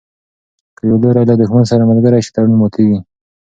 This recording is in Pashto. که یو لوری له دښمن سره ملګری شي تړون ماتیږي.